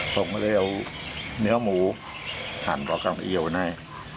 ผมก็เลยเอาเนื้อหมูหั่นปลอกลับโยนให้